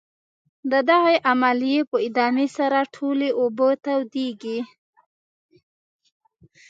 د دغې عملیې په ادامې سره ټولې اوبه تودیږي.